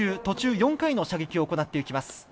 途中４回の射撃を行っていきます。